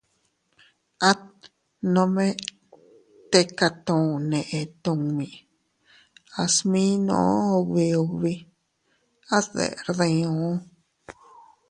At nome tika tun neʼe tummi, a sminoo ubi ubi, at deʼer diu.